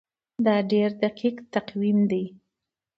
دا ډیر دقیق تقویم دی.